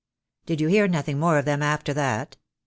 "Did you hear nothing more of them after that?"